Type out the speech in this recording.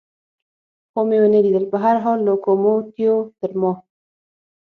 خو مې و نه لیدل، په هر حال لوکوموتیو تر ما.